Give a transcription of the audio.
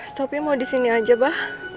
sopi mau disini aja mbak